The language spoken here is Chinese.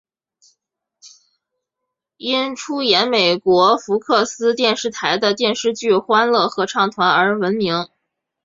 因出演美国福克斯电视台的电视剧欢乐合唱团而闻名。